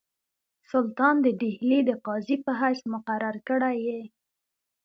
سلطان د ډهلي د قاضي په حیث مقرر کړی یې.